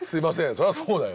そりゃそうだよ